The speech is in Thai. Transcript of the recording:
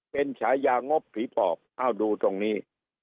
เป็นฉายางบผีปอกดูตรงนี้